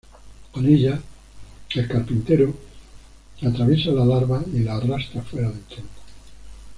Con ella el carpintero atraviesa la larva y la arrastra fuera del tronco.